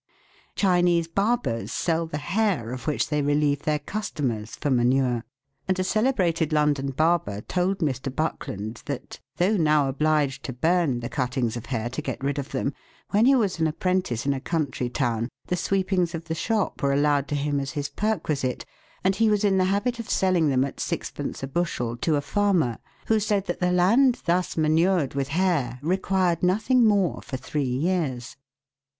Chinese barbers sell the hair of which they relieve their customers for manure ; and a celebrated London barber told Mr. Buckland that, though now obliged to burn the cuttings of hair to get rid of them, when he was an apprentice in a country town the sweepings of the shop were allowed to him as his perquisite, and he was in the habit of selling them at sixpence a bushel to a farmer, who said that the land thus manured with hair required nothing more for three years.